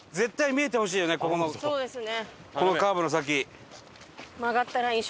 そうですね。